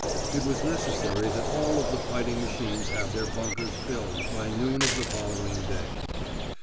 It was necessary that all of the fighting machines have their bunkers filled by noon of the following day.